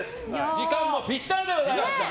時間もぴったりでございました。